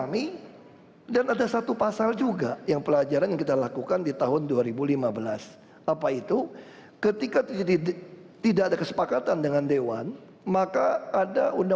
masih ada waktu